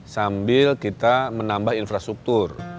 sambil kita menambah infrastruktur